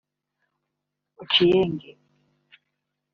Ochieng